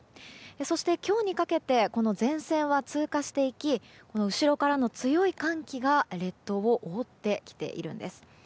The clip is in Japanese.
そして、今日にかけてこの前線は通過していき後ろからの強い寒気が列島を覆ってきているんです。